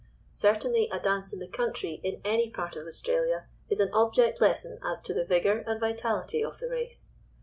Certainly a dance in the country in any part of Australia is an object lesson as to the vigour and vitality of the race.